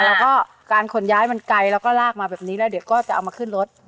แล้วก็การขนย้ายมันไกลแล้วก็ลากมาแบบนี้แล้วเดี๋ยวก็จะเอามาขึ้นรถ